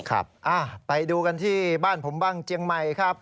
ครับไปดูกันที่บ้านผมบ้างเจียงใหม่ครับ